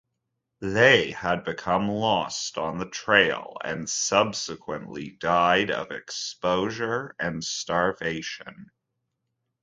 They had become lost on the trail, and subsequently died of exposure and starvation.